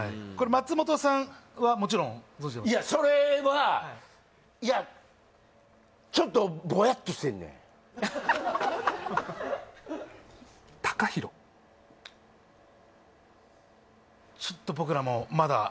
これ松本さんはもちろんいやそれはいやちょっとボヤッとしてんねんはあ？